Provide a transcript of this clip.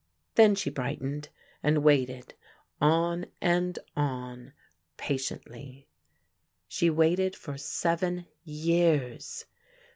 Then she brightened, and waited on and on patiently. She waited for seven years.